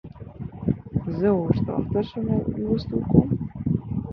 زه اوږده وخت درسونه لوستل کوم؟